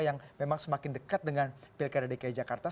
yang memang semakin dekat dengan pilkada dki jakarta